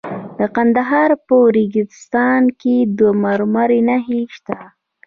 د کندهار په ریګستان کې د مرمرو نښې شته.